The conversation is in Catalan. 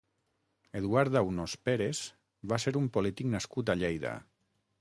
Eduard Aunós Pérez va ser un polític nascut a Lleida.